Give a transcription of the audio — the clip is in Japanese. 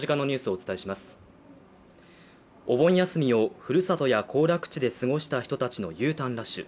お盆休みをふるさとや行楽地で過ごした人のＵターンラッシュ。